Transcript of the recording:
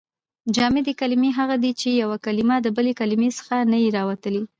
جامدي کلیمې هغه دي، چي یوه کلیمه د بلي کلیمې څخه نه يي راوتلي.